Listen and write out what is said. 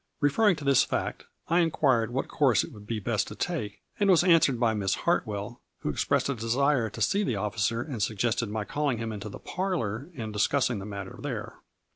Refer ring to this fact, I inquired what course it ^ would be best to take, and was answered by I Miss Hartwell, who expressed a desire to see the officer and suggested my calling him into the parlor and discussing the matter there.